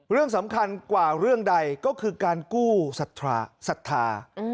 เรื่องสำคัญกว่าเรื่องใดก็คือการกู้ศรัทธา